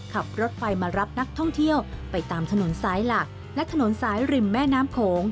ขับรถไฟมารับนักท่องเที่ยวไปตามถนนซ้ายหลักและถนนซ้ายริมแม่น้ำโขง